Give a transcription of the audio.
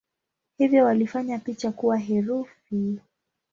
Hivyo walifanya picha kuwa herufi.